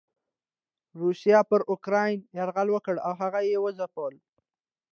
روسيې پر اوکراين يرغل وکړ او هغه یې وځپلو.